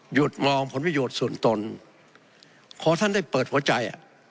มองผลประโยชน์ส่วนตนขอท่านได้เปิดหัวใจ